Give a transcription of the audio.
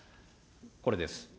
これです。